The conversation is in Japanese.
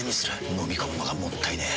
のみ込むのがもったいねえ。